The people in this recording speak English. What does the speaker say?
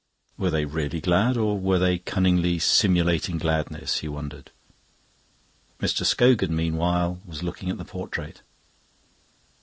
Were they really glad, or were they cunningly simulating gladness? He wondered. Mr. Scogan, meanwhile, was looking at the portrait.